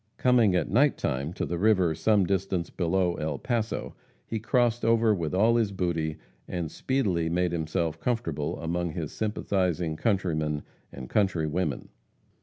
Coming at night time to the river some distance below El Paso, he crossed over with all his booty, and speedily made himself comfortable among his sympathizing countrymen and countrywomen.